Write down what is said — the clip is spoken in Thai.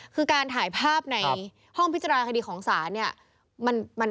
คือการถ่ายภาพในห้องพิจารณาคดีของศาลเนี่ย